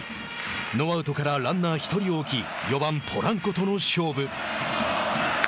ノーアウトからランナー１人を置き４番ポランコとの勝負。